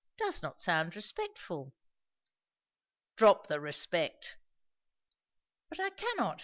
It does not sound respectful." "Drop the respect." "But I cannot!"